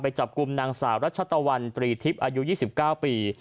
จับกลุ่มนางสาวรัชตะวันตรีทิพย์อายุ๒๙ปี